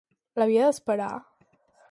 L'havia d'esperar?